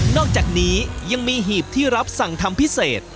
อกจากนี้ยังมีหีบที่รับสั่งทำพิเศษ